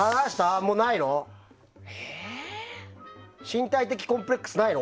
身体的コンプレックスないの？